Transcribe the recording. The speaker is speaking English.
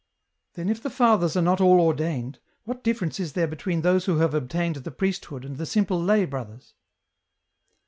*' Then, if the fathers are not all ordained, what difference is there between those who have obtained the priesthood and the simple lay brothers